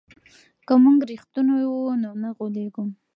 که موږ رښتیني وو نو نه غولېږو.